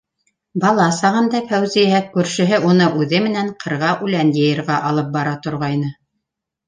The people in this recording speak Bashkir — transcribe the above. Бәләкәй сағында Фәүзиә күршеһе уны үҙе менән ҡырға үлән йыйырға алып бара торғайны.